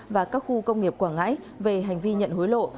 và các khu công nghiệp quảng ngãi về hành vi nhận hối lộ